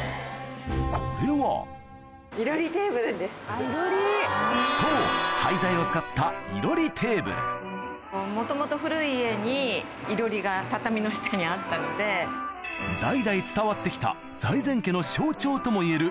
これはそう代々伝わってきた財前家の象徴ともいえる